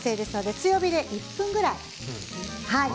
強火で１分くらいです。